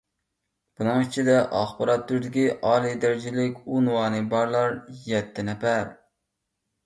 بۇنىڭ ئىچىدە، ئاخبارات تۈرىدىكى ئالىي دەرىجىلىك ئۇنۋانى بارلار يەتتە نەپەر.